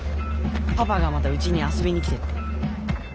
パパがまたうちに遊びに来てって。